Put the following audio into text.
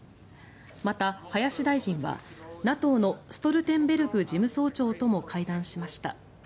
また、林大臣はＮＡＴＯのストルテンベルグ事務総長とも会談しました。